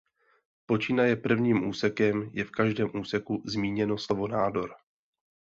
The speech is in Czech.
Počínaje prvním úsekem je v každém úseku zmíněno slovo nádor.